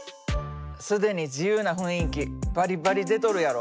既に自由な雰囲気バリバリ出とるやろ？